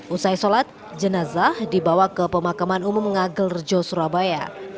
usai sholat jenazah dibawa ke pemakaman umum ngagel rejo surabaya